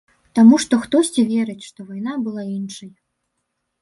Таму што хтосьці верыць, што вайна была іншай.